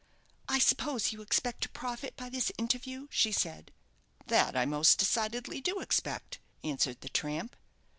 "I suppose you expect to profit by this interview?" she said. "That I most decidedly do expect," answered the tramp.